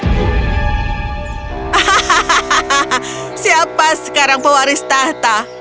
hahaha siapa sekarang pewaris tahta